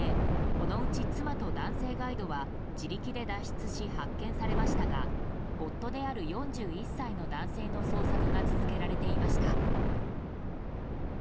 このうち妻と男性ガイドは自力で脱出し発見されましたが夫である４１歳の男性の捜索が続けられていました。